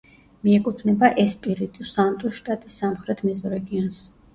მიეკუთვნება ესპირიტუ-სანტუს შტატის სამხრეთ მეზორეგიონს.